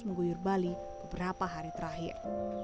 mengguyur bali beberapa hari terakhir